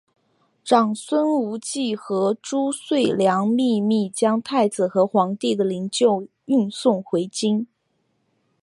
长孙无忌和褚遂良秘密将太子和皇帝的灵柩运送回京。